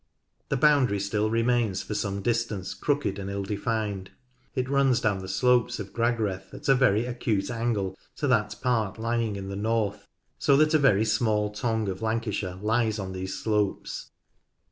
The boundary still remains for some distance crooked and ill defined. It runs down the slopes of Gragreth at a very acute angle to that part lying to the north, so that a very small tongue of Lancashire lies on these slopes.